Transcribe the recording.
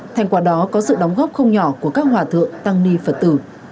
thành quả đó có sự đóng góp không nhỏ của các hòa thượng tăng ni phật tử